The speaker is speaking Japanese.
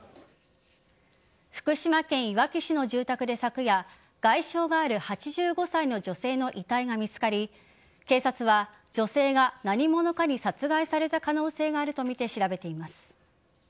福島県いわき市の住宅で昨夜外傷がある８５歳の女性の遺体が見つかり警察は女性が何者かに殺害された可能性があるとみて調べています。